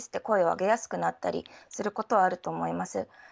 声を上げやすくなったりすることはあると思います。